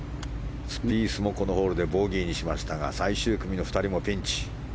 スピースもこのホールでボギーにしましたが最終組の２人もピンチ。